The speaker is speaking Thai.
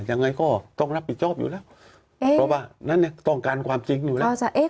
ยังไงก็ต้องรับผิดจอบอยู่แล้วต้องการความจริงอยู่แล้ว